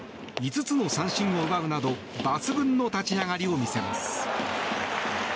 ５つの三振を奪うなど抜群の立ち上がりを見せます。